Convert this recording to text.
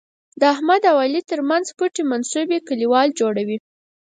د احمد او علي تر منځ پټې منصوبې کلیوال جوړوي.